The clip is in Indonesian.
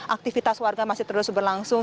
aktivitas warga masih terus berlangsung